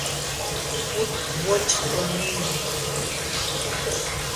КУД ВОЧКО МӰЙ